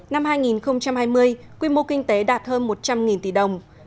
năm hai nghìn hai mươi quy mô kinh tế đạt hơn một trăm linh tỷ đồng